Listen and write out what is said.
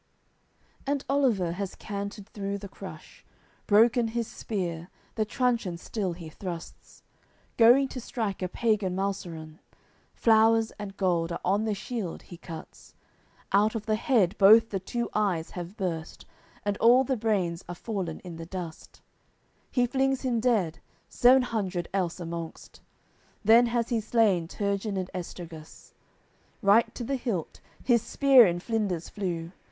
AOI. CVI And Oliver has cantered through the crush; Broken his spear, the truncheon still he thrusts; Going to strike a pagan Malsarun; Flowers and gold, are on the shield, he cuts, Out of the head both the two eyes have burst, And all the brains are fallen in the dust; He flings him dead, sev'n hundred else amongst. Then has he slain Turgin and Esturgus; Right to the hilt, his spear in flinders flew.